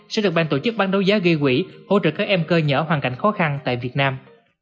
sẽ được ban tổ chức ban đấu giá ghi quỷ hỗ trợ các em cơ nhở hoàn cảnh khó khăn tại việt nam